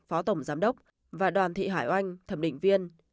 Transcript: phó tổng giám đốc và đoàn thị hải oanh thẩm định viên